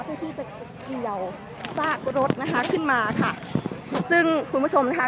เพื่อที่จะเกี่ยวซากรถนะคะขึ้นมาค่ะซึ่งคุณผู้ชมนะคะ